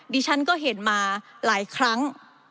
ดิฉันก็เห็นมาหลายครั้ง